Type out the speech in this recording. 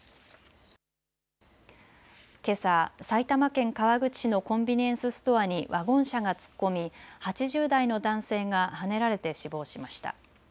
けさ埼玉県川口市のコンビニエンスストアにワゴン車が突っ込み、８０代の男性がはねられて死亡しました。